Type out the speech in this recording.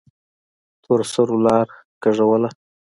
تورسرو لار کږوله.